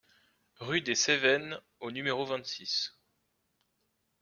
RUE DES CEVENNES au numéro vingt-six